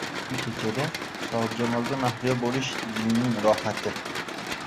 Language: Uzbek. Oydin kechada sohibjamolga mahliyo bo‘lish dilning rohati.